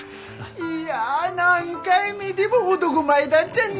いや何回見ても男前だっちゃね。